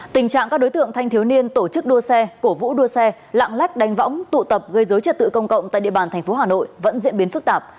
tình trạng các đối tượng thanh thiếu niên tổ chức đua xe cổ vũ đua xe lạng lách đánh võng tụ tập gây dối trật tự công cộng tại địa bàn tp hà nội vẫn diễn biến phức tạp